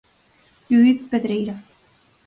Judit Pedreira.